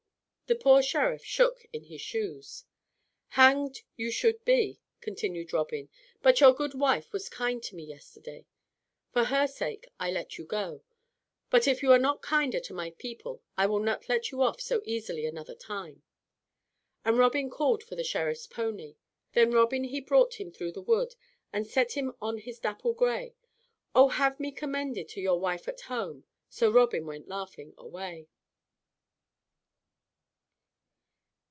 The poor Sheriff shook in his shoes. "Hanged you should be," continued Robin, "but your good wife was kind to me yesterday. For her sake, I let you go. But if you are not kinder to my people I will not let you off so easily another time." And Robin called for the Sheriff's pony. "Then Robin he brought him through the wood, And set him on his dapple gray: Oh, have me commended to your wife at home, So Robin went laughing away."